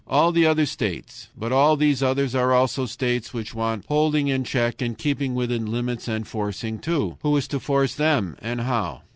All the other states. But all these others are also states which want holding in check and keeping within limits, and forcing, too. Who is to force them, and how?